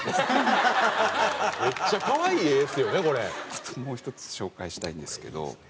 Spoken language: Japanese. ちょっともう１つ紹介したいんですけど。